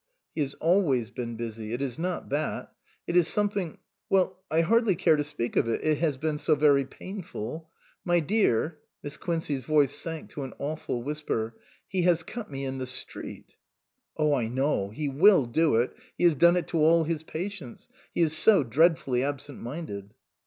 " He has always been busy. It is not that. It is something well, I hardly care to speak of it, it has been so very painful. My dear " Miss Quincey's voice sank to an awful whisper " he has cut me in the street." " Oh, I know he will do it ; he has done it to all his patients. He is so dreadfully absent minded."